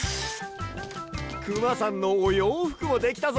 くまさんのおようふくもできたぞ。